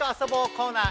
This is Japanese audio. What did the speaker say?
コーナー